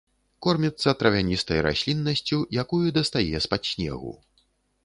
Корміцца травяністай расліннасцю, якую дастае з-пад снегу.